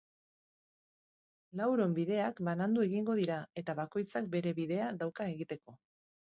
Lauron bideak banandu egingo dira eta bakoitzak bere bidea dauka egiteko.